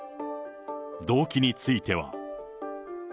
動機については。